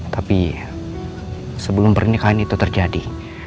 tapi sebelum pernikahan itu terjadi